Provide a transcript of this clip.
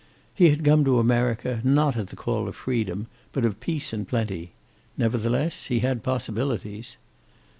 He had come to America, not at the call of freedom, but of peace and plenty. Nevertheless, he had possibilities.